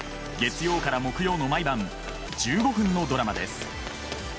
月曜から木曜の毎晩１５分のドラマです。